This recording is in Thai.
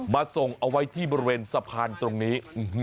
ส่งเอาไว้ที่บริเวณสะพานตรงนี้